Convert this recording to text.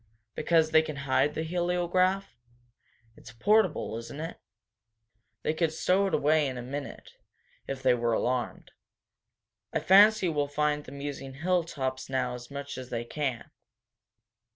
"Because they can hide the heliograph? It's portable, isn't it?" "Yes. They could stow it away in a minute, if they were alarmed. I fancy we'll find them using hilltops now as much as they can."